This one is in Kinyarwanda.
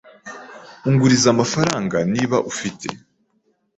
Unguriza amafaranga, niba ufite.